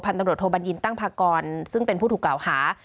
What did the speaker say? ตำรวจโทบัญญินตั้งพากรซึ่งเป็นผู้ถูกกล่าวหา